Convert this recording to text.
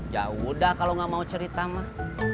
yaudah kalau gak mau cerita mas